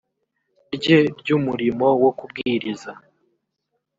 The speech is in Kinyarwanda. rye ry umurimo wo kubwiriza